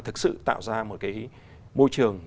thực sự tạo ra một cái môi trường